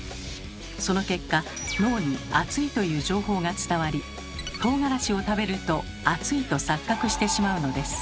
その結果脳に「熱い」という情報が伝わりトウガラシを食べると「熱い」と錯覚してしまうのです。